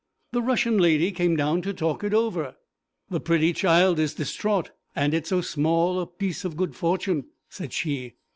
The Russian lady came down to talk it over. 'The pretty child is distraught, and at so small a piece of good fortune!' said she.